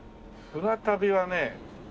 船旅はね